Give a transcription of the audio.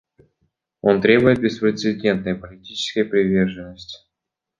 Он требует беспрецедентной политической приверженности.